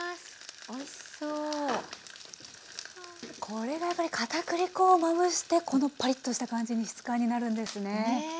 これがやっぱりかたくり粉をまぶしてこのパリッとした感じに質感になるんですね。